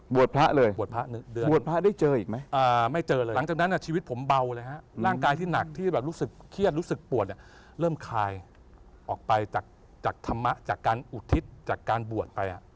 บวชพะได้เจออีกไหมเอาไม่เจอเลยหลังจากนั้นอ่ะชีวิตผมเบาเลยฮะร่างกายที่หนักที่แบบรู้สึกเครียดรู้สึกปวดเนี่ยเริ่มคลายออกไปจากทะมะจากการอุทิศจากการบวชค่ะ